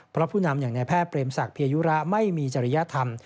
เพราะผู้นำอย่างในแพทย์เปรมศักดิยยุระไม่มีจริยธรรม